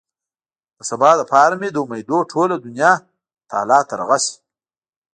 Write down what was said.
د سبا لپاره مې د امېدونو ټوله دنيا تالا ترغه شي.